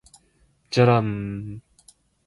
じゃらんーーーーー